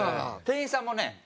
店員さんもね